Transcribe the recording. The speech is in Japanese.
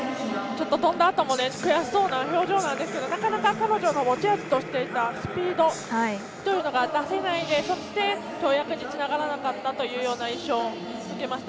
跳んだあとも悔しそうな表情なんですけどなかなか彼女の持ち味としていたスピードというのが出せないで、そして跳躍につながらなかったというような印象を受けました。